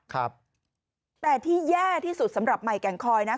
แต่ที่แย่ที่สุดสำหรับมัยแกงคอยนะ